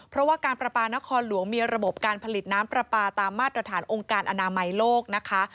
เพราะว่าการประปานครหลวงมีระบบการผลิตน้ำปลาปลาตามมาตรฐานองค์การอนามัยโลกนะคะ